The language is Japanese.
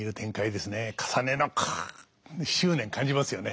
かさねのこう執念感じますよね。